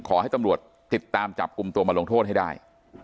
ขอให้ตำรวจติดตามจับกลุ่มตัวมาลงโทษให้ได้